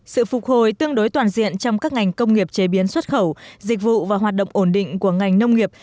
sự phục hồi tương đối toàn diện trong các ngành công nghiệp chế biến xuất khẩu dịch vụ và hoạt động ổn định của ngành nông nghiệp